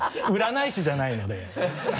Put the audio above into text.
占い師じゃないので。